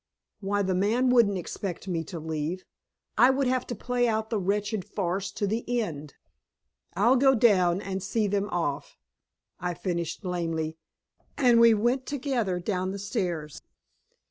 Why, the man wouldn't expect me to leave; I would have to play out the wretched farce to the end! "I'll go down and see them off," I finished lamely, and we went together down the stairs.